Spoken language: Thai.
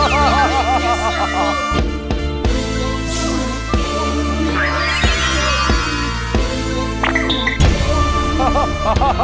ห่าห่าห่าห่า